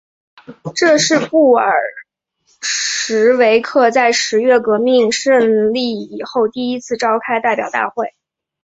这是布尔什维克在十月革命胜利以后第一次召开的代表大会。